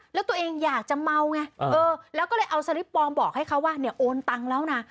แล้วตัวเองอยากจะเมาไงแล้วก็เลยเอาสลิปปลอมบอกให้เขาว่าเนี่ยโอนตังค์แล้วนะ